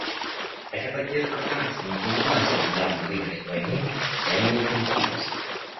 Хотя поддержка Франции не помогла Саддаму выиграть войну, она имела другие последствия.